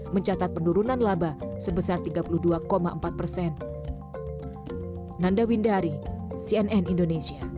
mencatat penurunan laba sebesar tiga puluh dua empat persen